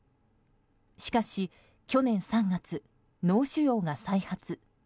しかし、去年３月脳腫瘍が再発。